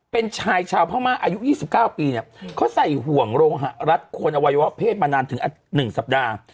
เป็นชายชาวพรามาศอายุยี่สิบเก้าปีเนี่ยเขาใส่ห่วงโรหะรัฐคนเอวเผชมานานถึงอันหนึ่งสัปดาห์